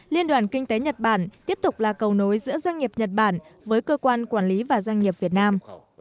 liên đoàn kinh tế nhật bản tiếp tục là cầu nối giữa doanh nghiệp nhật bản với cơ quan quản lý và doanh nghiệp việt nam